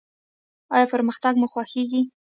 ایا پرمختګ مو خوښیږي؟